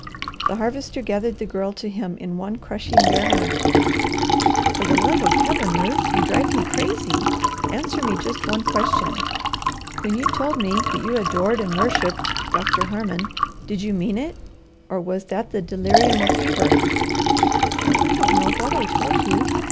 The Harvester gathered the Girl to him in one crushing bear hug. "For the love of Heaven, Ruth, you drive me crazy! Answer me just one question. When you told me that you 'adored and worshipped' Doctor Harmon, did you mean it, or was that the delirium of fever?" "I don't know WHAT I told you!